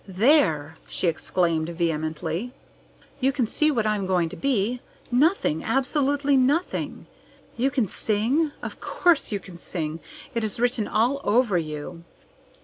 "There!" she exclaimed vehemently. "You can see what I'm going to be. Nothing! Absolutely nothing! You can sing? Of course you can sing! It is written all over you."